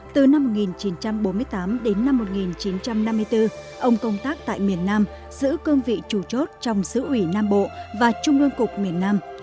từ năm một nghìn chín trăm bốn mươi tám đến năm một nghìn chín trăm năm mươi bốn ông công tác tại miền nam giữ cương vị chủ chốt trong sứ ủy nam bộ và trung ương cục miền nam